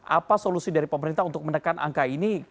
apa solusi dari pemerintah untuk menekan angka ini